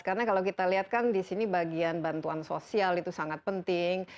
karena kalau kita lihat kan di sini bagian bantuan sosial itu sangat penting